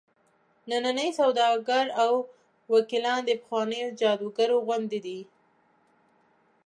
ننني سوداګر او وکیلان د پخوانیو جادوګرو غوندې دي.